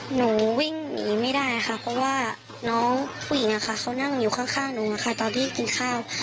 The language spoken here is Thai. หนูวิ่งหนีไม่ได้ค่ะเพราะว่าน้องผู้หญิงเขานั่งอยู่ข้างหนูตอนที่กินข้าว